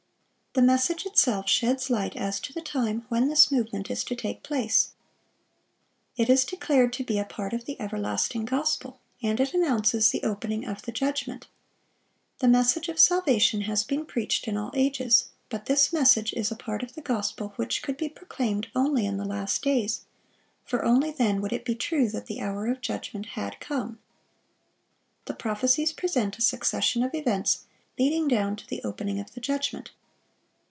The message itself sheds light as to the time when this movement is to take place. It is declared to be a part of the "everlasting gospel;" and it announces the opening of the judgment. The message of salvation has been preached in all ages; but this message is a part of the gospel which could be proclaimed only in the last days, for only then would it be true that the hour of judgment had come. The prophecies present a succession of events leading down to the opening of the judgment.